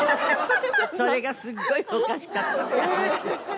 それがすごいおかしかったって話。